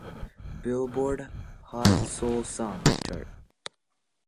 Billboard Hot Soul Songs chart.